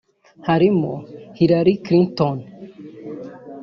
harimo Hillary Clinton